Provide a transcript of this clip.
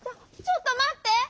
ちょっとまって！